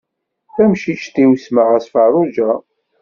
Tamcict-iw semmaɣ-as Farruǧa.